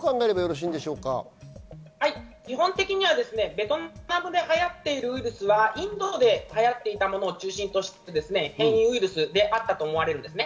基本的にはベトナムで流行っているウイルスは、インドで流行っていたものを中心とした変異ウイルスであったと思われるんですね。